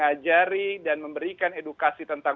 hmm hingga mengajari dan memberikan edukasi tentang